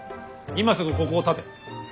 今すぐここをたて。